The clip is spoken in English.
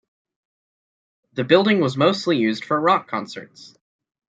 The building was mostly used for rock concerts.